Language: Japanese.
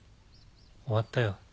終わったよ